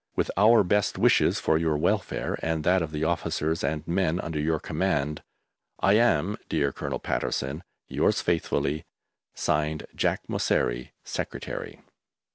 With our best wishes for your welfare and that of the officers and men under your command, I am, dear Colonel Patterson, Yours faithfully, (Signed) JACK MOSSERI, Secretary.